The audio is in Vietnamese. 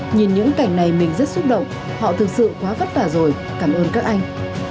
nhìn những cảnh này mình rất xúc động họ thực sự quá vất vả rồi cảm ơn các anh